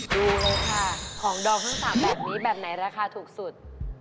ดูเลยค่ะของดองทั้ง๓แบบนี้แบบไหนราคาถูกสุด